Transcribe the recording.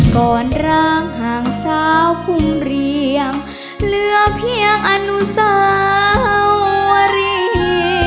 กร้างห่างสาวพุ่มเรียงเหลือเพียงอนุสาวรี